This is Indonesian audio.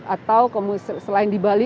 atau selain di bali